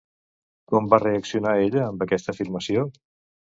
Com va reaccionar ella amb aquesta afirmació?